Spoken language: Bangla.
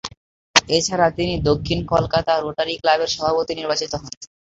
এছাড়া তিনি দক্ষিণ কলকাতা রোটারি ক্লাবের সভাপতি নির্বাচিত হন।